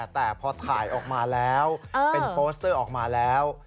แต่พอถ่ายออกมาแล้วเป็นโปสเตอร์ออกมาแล้ว